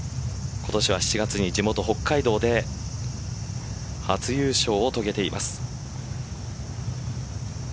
今年は７月に地元・北海道で初優勝を遂げています。